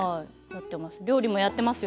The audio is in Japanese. やってます。